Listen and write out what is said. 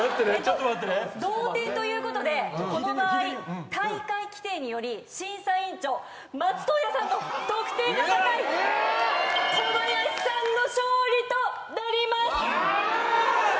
同点ということでこの場合大会規定により審査委員長松任谷さんの得点が高い小林さんの勝利となります。